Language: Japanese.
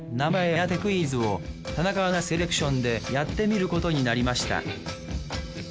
当てクイズを田中アナセレクションでやってみることになりました